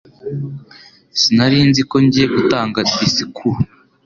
Sinari nzi ko ngiye gutanga disikuru.